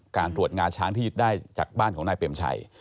การตรวจงาช้างที่ยึดได้จากบ้านของนายเปรมชัย